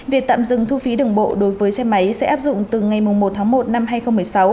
việc tạm dừng thu phí đường bộ đối với xe máy sẽ áp dụng từ ngày một tháng một năm hai nghìn một mươi sáu